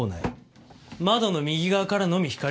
窓の右側からのみ光が漏れる。